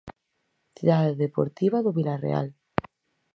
Cidade Deportiva do Vilarreal.